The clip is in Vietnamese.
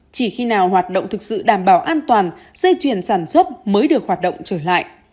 chỉ khi nào hoạt động thực sự đảm bảo an toàn dây chuyển sản xuất mới được hoạt động trở lại